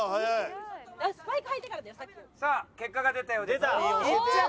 さあ結果が出たようです。